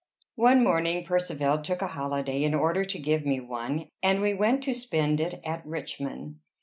One morning Percivale took a holiday in order to give me one, and we went to spend it at Richmond.